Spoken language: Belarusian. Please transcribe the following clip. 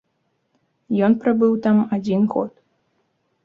Ён прабыў там адзін год.